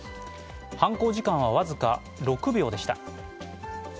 犯行時間は僅か６秒でした。